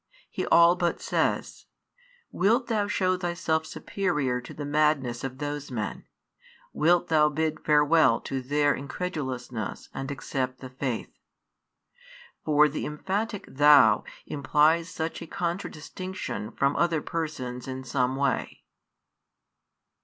He all but says "Wilt thou shew thyself superior to the madness of those men? Wilt thou bid farewell to their incredu lousness and accept the faith?" For the emphatic Thou implies such a contradistinction from other persons in some way.